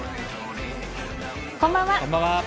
こんばんは。